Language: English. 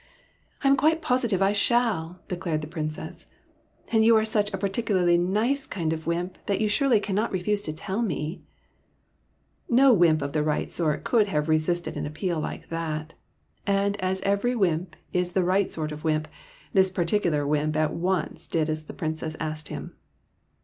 " I am quite positive I shall," declared the Princess ;'' and you are such a particularly nice kind of wymp that you surely cannot refuse to tell me !" No wymp of the right sort could have re sisted an appeal like that ; and as every wymp is the right sort of wymp, this particular wymp at once did as the Princess asked him.